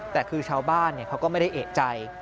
แต่คือชาวบ้านเขาก็ไม่ได้เอกใจ